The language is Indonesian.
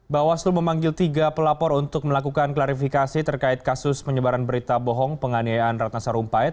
bawaslu memanggil tiga pelapor untuk melakukan klarifikasi terkait kasus penyebaran berita bohong penganiayaan ratna sarumpait